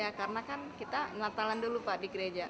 ya karena kan kita ngatalan dulu pak di gereja